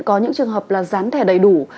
có những trường hợp là gián thẻ đầy đủ